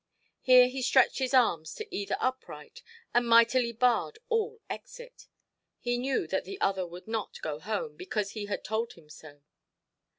Here he stretched his arms to either upright, and mightily barred all exit. He knew that the other would not go home, because he had told him so.